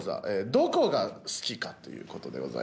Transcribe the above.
どこが好きかということでございます。